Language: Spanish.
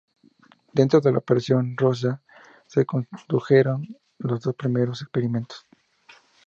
Dentro de la Operación Roza se condujeron los dos primeros experimentos.